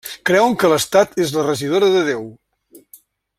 Creuen que l'Estat és la Regidora de Déu.